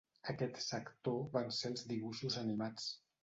Aquest sector van ser els Dibuixos animats.